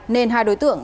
nên hai đối tượng